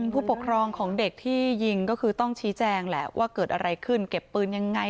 ผู้ปกครองของเด็กที่ยิงก็คือต้องชี้แจงแหละว่าเกิดอะไรขึ้นเก็บปืนยังไง